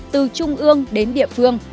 từ trung ương đến địa phương